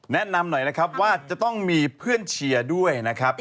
แนะนำหน่อยนะครับว่าจะต้องมีเพื่อนเชียร์ด้วยนะครับ